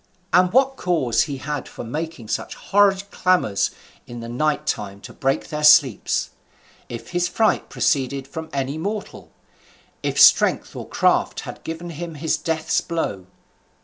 and what cause he had for making such horrid clamours in the night time to break their sleeps? if his fright proceeded from any mortal? if strength or craft had given him his death's blow?